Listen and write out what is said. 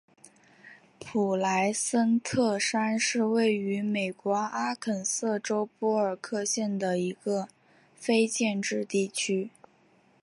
普莱森特山是位于美国阿肯色州波尔克县的一个非建制地区。